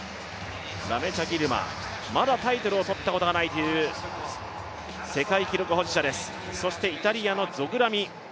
ラメチャ・ギルマまだタイトルを取ったことがないという世界記録保持者です、そしてイタリアのゾグラミ。